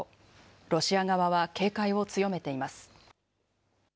ロシア側は警戒を強めています。